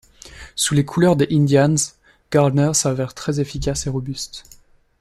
Sous les couleurs des Indians, Gardner s'avère très efficace et robuste.